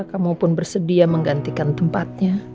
kamu pun bersedia menggantikan tempatnya